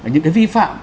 những cái vi phạm